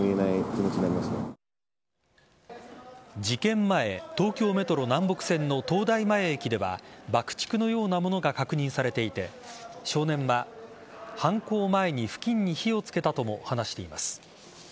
事件前東京メトロ南北線の東大前駅では爆竹のようなものが確認されていて少年は犯行前に付近に火をつけたとも話しています。